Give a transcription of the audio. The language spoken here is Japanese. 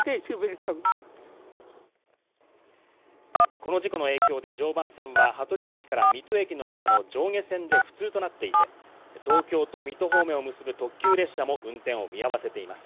この事故の影響で常磐線は羽鳥駅から水戸駅の間の上下線で不通となっていて、東京と水戸方面を結ぶ特急列車も運転を見合わせています。